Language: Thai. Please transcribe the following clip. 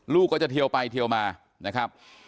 ลูกก็จะเทียวไปเทียวมานะครับ